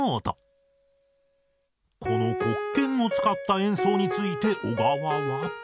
この黒鍵を使った演奏について小川は。